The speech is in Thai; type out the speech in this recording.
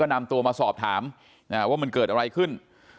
นำตัวมาสอบถามว่ามันเกิดอะไรขึ้น